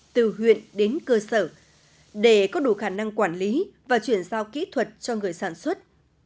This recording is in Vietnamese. từ huyện đến cơ sở để có đủ khả năng quản lý và chuyển giao kỹ thuật cho người sản xuất